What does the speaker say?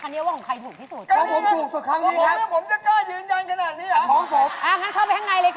ไม่ต้องคุยกับแม่ซื้อคุยกับข้าว